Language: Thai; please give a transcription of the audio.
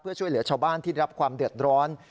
เพื่อช่วยเหลือชาวบ้านที่ได้รับความเดือดร้อน